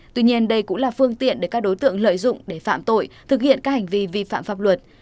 tuy nhiên đây cũng là phương tiện để các đối tượng lợi dụng để phạm tội thực hiện các hành vi vi phạm pháp luật